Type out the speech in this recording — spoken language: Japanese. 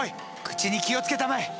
口に気を付けたまえ！